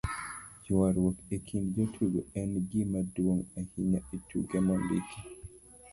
ywaruok e kind jotugo en gimaduong' ahinya e tuke mondiki